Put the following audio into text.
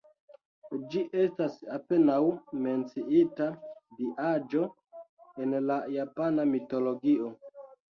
Ĝi estas apenaŭ menciita diaĵo en la japana mitologio.